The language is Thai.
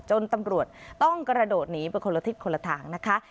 ตำรวจต้องกระโดดหนีไปคนละทิศคนละทางนะคะ